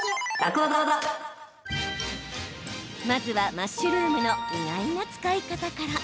まずは、マッシュルームの意外な使い方から。